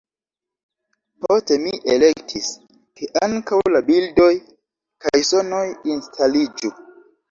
Poste mi elektis, ke ankaŭ la bildoj kaj sonoj instaliĝu.